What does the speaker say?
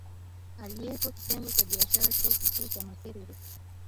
aliyeko Kitengo cha Biashara Chuo Kikuu cha Makerere